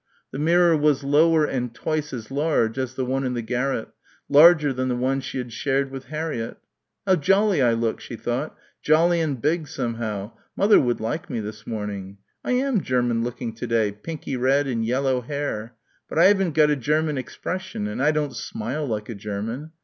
The mirror was lower and twice as large as the one in the garret, larger than the one she had shared with Harriett. "How jolly I look," she thought, "jolly and big somehow. Mother would like me this morning. I am German looking to day, pinky red and yellow hair. But I haven't got a German expression and I don't smile like a German....